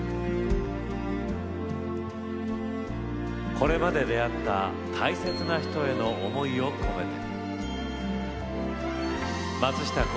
これまで出会った大切な人への思いを込めて。